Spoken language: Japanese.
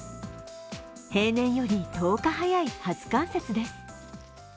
平年より１０日早い初冠雪です。